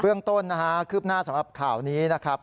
เรื่องต้นนะฮะคืบหน้าสำหรับข่าวนี้นะครับ